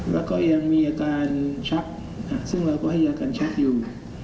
แล้วก็ยังมีอาการชักซึ่งเราก็ให้อาการชักอยู่